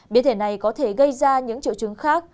biến thể này có thể gây ra những triệu chứng khác